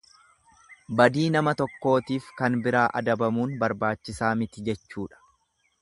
Badii nama tokkootiif kan biraa adabuun barbaachisaa miti jechuudha.